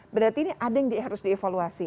berarti ini ada yang harus dievaluasi